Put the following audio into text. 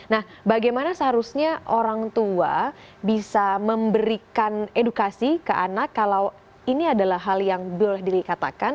nah bagaimana seharusnya orang tua bisa memberikan edukasi ke anak kalau ini adalah hal yang boleh dikatakan